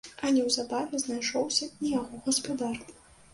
А неўзабаве знайшоўся і яго гаспадар.